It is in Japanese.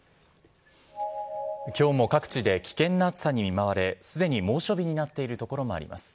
きょうも各地で危険な暑さに見舞われ、すでに猛暑日になっている所もあります。